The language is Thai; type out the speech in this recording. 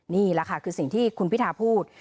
นี่แหละค่ะคือสิ่งที่คุณพิทาพูด